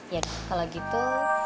ya kalau gitu